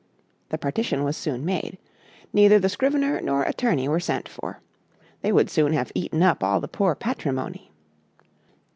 The partition was soon made. Neither the scrivener nor attorney were sent for. They would soon have eaten up all the poor patrimony.